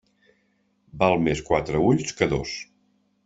Val més quatre ulls que dos.